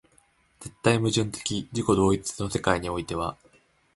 絶対矛盾的自己同一の世界においては、